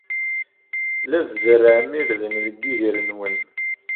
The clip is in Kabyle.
La tzerrɛem irden deg yiger-nwen.